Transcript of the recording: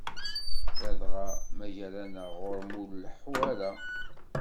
Ladɣa ma gar-aneɣ ɣur-m ur leḥḥu ara.